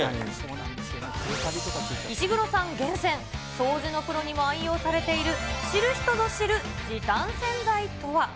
石黒さん厳選、掃除のプロにも愛用されている、知る人ぞ知る時短洗剤とは。